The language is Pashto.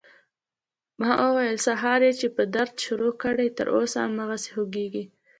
ما وويل سهار يې چې په درد شروع کړى تر اوسه هماغسې خوږېږي.